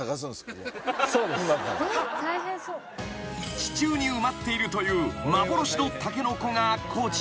［地中に埋まっているという幻のタケノコがこちら］